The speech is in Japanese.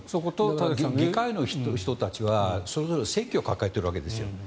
議会の人たちはそれぞれ選挙を抱えているわけですよ。